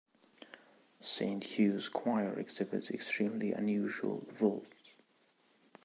Saint Hugh's Choir exhibits extremely unusual vaults.